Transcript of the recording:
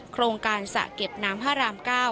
โครงการสระเก็บน้ำพระราม๙